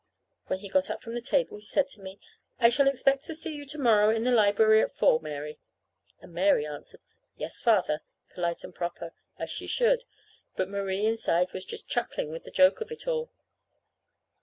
When he got up from the table he said to me: "I shall expect to see you to morrow in the library at four, Mary." And Mary answered, "Yes, Father," polite and proper, as she should; but Marie inside was just chuckling with the joke of it all.